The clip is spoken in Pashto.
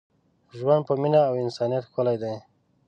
ژوند په مینه او انسانیت ښکلی دی.